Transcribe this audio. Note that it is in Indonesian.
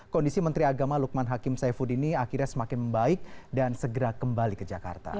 kondisi menteri agama lukman hakim saifuddin akhirnya semakin baik dan segera kembali ke jakarta